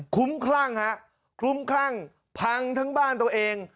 ขุมคลั่งครับพังทั้งบ้านตัวเอง